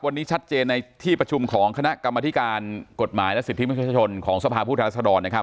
วันนี้ชัดเจนในที่ประชุมของคณะกรรมฐิการกฎหมายและศิษย์ทิพย์มิคชชนของสภาพผู้ทรัศนาฬอดนะครับ